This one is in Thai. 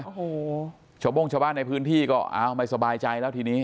โอ้โหชาวโบ้งชาวบ้านในพื้นที่ก็อ้าวไม่สบายใจแล้วทีนี้